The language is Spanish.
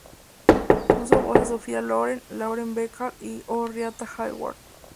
Puso voz a Sofia Loren, Lauren Bacall o Rita Hayworth.